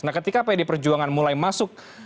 nah ketika pd perjuangan mulai masuk